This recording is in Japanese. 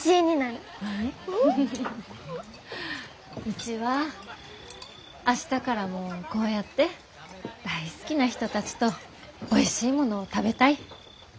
うちは明日からもこうやって大好きな人たちとおいしいものを食べたい！